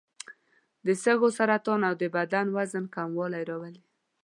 د سږو سرطان او د بدن وزن کموالی راولي.